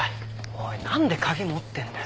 おい何で鍵持ってんだよ。